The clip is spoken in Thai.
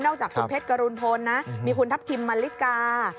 จากคุณเพชรกรุณพลนะมีคุณทัพทิมมาลิกา